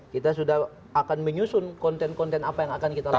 kita sudah akan menyusun konten konten apa yang akan kita lakukan